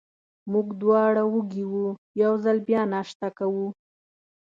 موږ دواړه وږي وو، یو ځل بیا ناشته کوو.